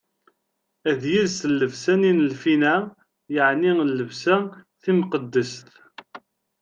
Ad yels llebsa-nni n lfina, yeɛni llebsa timqeddest.